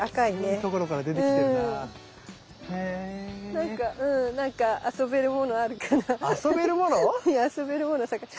何かうん何か遊べるものあるかな？